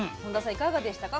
いかがでしたか？